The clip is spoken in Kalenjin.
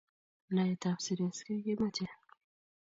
Naet tab siresgek kemachei